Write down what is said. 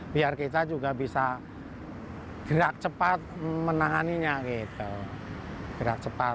biar kita juga bisa gerak cepat menanganinya gitu gerak cepat